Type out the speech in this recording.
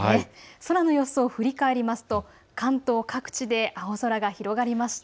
空の様子を振り返りますと関東各地で青空が広がりました。